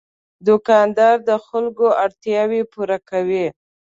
دوکاندار د خلکو اړتیاوې پوره کوي.